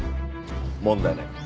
問題ない。